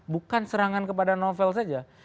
bukan serangan kepada novel saja